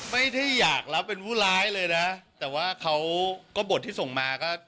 ไม่ได้อยากรับเป็นผู้ร้ายเลยนะแต่ว่าเขาก็บทที่ส่งมาก็